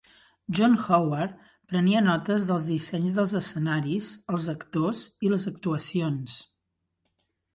John Howard prenia notes dels dissenys dels escenaris, els actors i les actuacions.